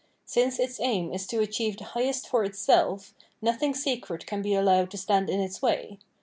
Since its aim is to achieve tbe highest for itself, nothing sacred can be allowed to stand in its way.